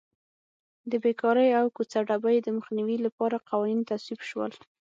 د بېکارۍ او کوڅه ډبۍ د مخنیوي لپاره قوانین تصویب شول.